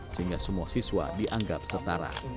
sehingga semua siswa dianggap setara